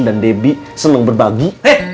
dan debbie seneng berbagi